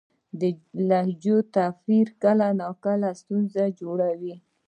د لهجو توپیر کله کله ستونزه جوړوي.